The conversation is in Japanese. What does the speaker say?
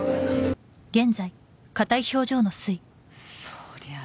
そりゃあ